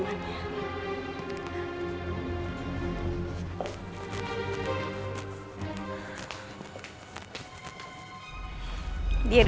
bangun video nih